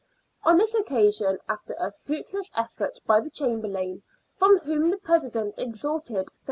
On this occasion, after a fruitless effort by the Chamberlain, from whom the President extorted 30s.